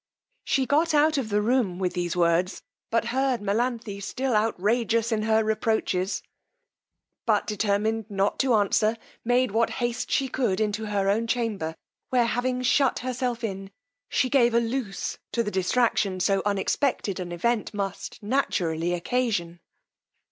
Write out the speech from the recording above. She got out of the room with these words, but heard Melanthe still outrageous in her reproaches; but determined not to answer, made what haste she could into her own chamber, where having shut herself in, she gave a loose to the distraction so unexpected an event must naturally occasion.